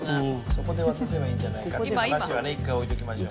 そこで渡せばいいんじゃないかって話は一回置いておきましょう。